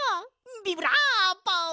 ビブラーボ！